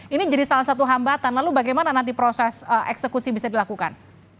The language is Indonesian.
ini jadi salah satu hambatan lalu bagaimana nanti proses eksekusi bisa dilakukan